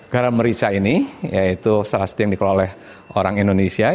garam merica ini yaitu salah satu yang dikelola oleh orang indonesia